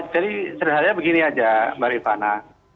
jadi sederhana begini aja mbak rifana